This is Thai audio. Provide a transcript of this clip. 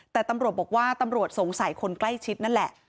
แต่ตำรวจบอกว่าตำรวจสงสัยคนใกล้ชิดนั่นแหละ